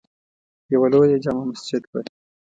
یوه لویه جامع مسجد وه.